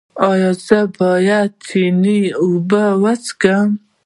ایا زه باید د چینې اوبه وڅښم؟